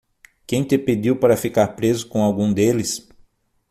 Quem te pediu para ficar preso com algum deles?